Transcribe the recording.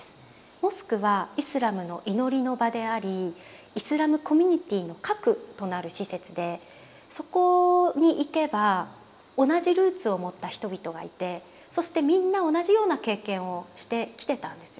モスクはイスラムの祈りの場でありイスラムコミュニティーの核となる施設でそこに行けば同じルーツを持った人々がいてそしてみんな同じような経験をしてきてたんですよね。